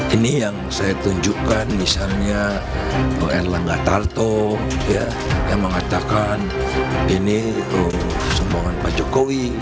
ini yang saya tunjukkan misalnya pak erlangga tarto yang mengatakan ini sombongan pak jokowi